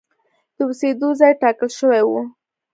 د اوسېدو ځای ټاکل شوی و.